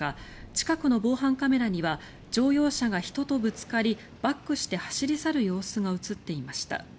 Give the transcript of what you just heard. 近くの防犯カメラには乗用車が人とぶつかりバックして走り去る様子が映っていました。